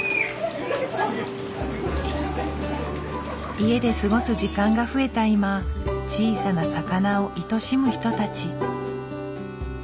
家で過ごす時間が増えた今小さな魚をいとしむ人たち。